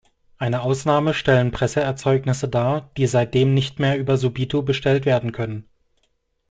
Eine Ausnahme stellen Presseerzeugnisse dar, die seitdem nicht mehr über Subito bestellt werden können.